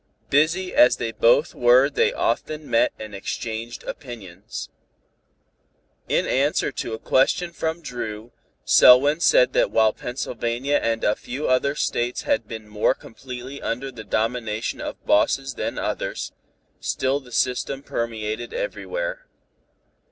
Busy as they both were they often met and exchanged opinions. In answer to a question from Dru, Selwyn said that while Pennsylvania and a few other States had been more completely under the domination of bosses than others, still the system permeated everywhere.